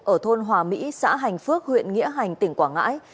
ở thôn hòa mỹ xã hành phước huyện nghĩa hành tỉnh quảng ngãi